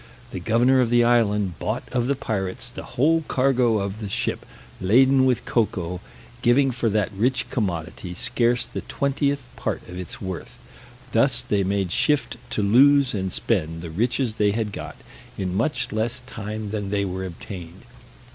The governor of the island bought of the pirates the whole cargo of the ship laden with cocoa, giving for that rich commodity scarce the twentieth part of its worth. Thus they made shift to lose and spend the riches they had got, in much less time than they were obtained.